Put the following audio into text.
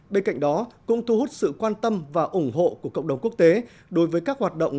bên cạnh đó cũng thu hút sự quan tâm và ủng hộ của cộng đồng quốc tế đối với các hoạt động